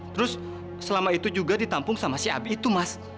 terus selama itu juga ditampung sama si api itu mas